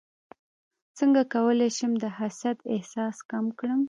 څنګه کولی شم د حسد احساس کم کړم